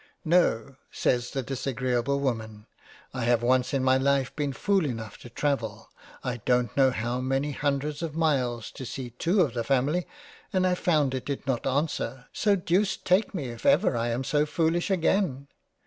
" No (says the disagreable Woman) I have once in my life been fool enough to travel I dont know how many hundred Miles to see two of the Family, and I found it did not answer, so Deuce take me, if ever I am so foolish again."